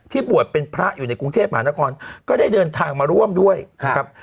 บวชเป็นพระอยู่ในกรุงเทพมหานครก็ได้เดินทางมาร่วมด้วยครับ